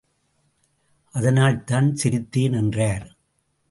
அதனால்தான் சிரித்தேன் என்றார்.